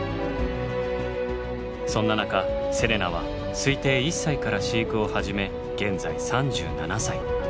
そんな中セレナは推定１歳から飼育を始め現在３７歳。